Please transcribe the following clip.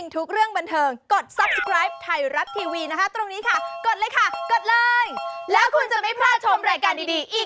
ถึง๕๐ตันต่อวัน